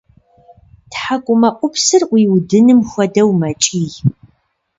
Тхьэкӏумэӏупсыр ӏуиудыным хуэдэу мэкӏий.